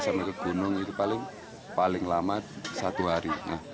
sampai ke gunung itu paling lama satu hari